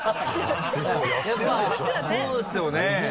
そうですよね。